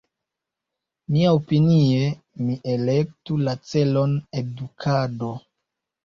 Mia-opinie ni elektu la celon edukado.